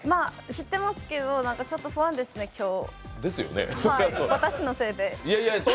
知ってますけどちょっと不安ですね、今日私のせいで。